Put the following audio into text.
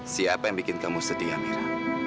saya yang bikin kamu setia mira